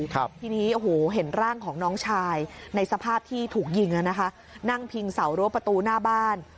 ทีนี้โอ้โหเห็นร่างของน้องชายในสภาพที่ถูกยิงอ่ะนะคะนั่งพิงเสารั้วประตูหน้าบ้าน